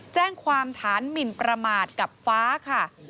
แจ้งความฐานหมินประมาทกับฟ้าค่ะ